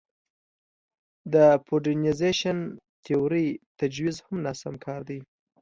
د موډرنیزېشن تیورۍ تجویز هم ناسم کار دی.